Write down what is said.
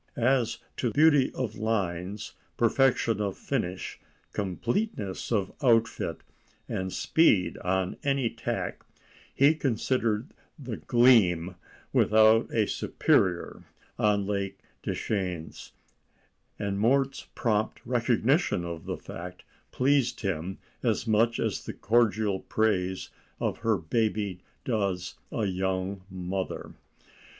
As to beauty of lines, perfection of finish, completeness of outfit, and speed on any tack, he considered the Gleam without a superior on Lake Deschenes, and Mort's prompt recognition of the fact pleased him as much as the cordial praise of her baby does a young mother.